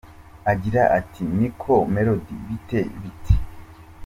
Agira ati “Ni ko Melodie bite bite.